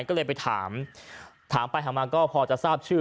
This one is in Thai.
ก็เลยไปถามถามไปถามมาก็พอจะทราบชื่อ